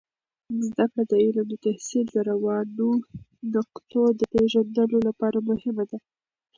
زده کړه د علم د تحصیل د روانو نقطو د پیژندلو لپاره مهمه ده.